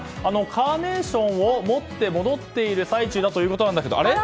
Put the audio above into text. カーネーションを持って戻っている最中ということなんだけどあれ？